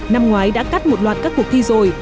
năm ngoái đã cắt một loạt các cuộc thi rồi